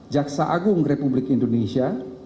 jaksa agung republik indonesia